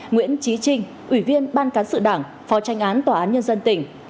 nguyễn trí trinh ủy viên ban cán sự đảng phó tranh án tòa án nhân dân tỉnh